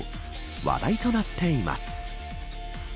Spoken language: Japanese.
話題となっています。